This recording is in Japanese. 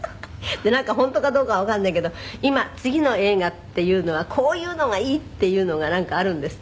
でなんか本当かどうかわかんないけど今次の映画っていうのはこういうのがいいっていうのがなんかあるんですって？」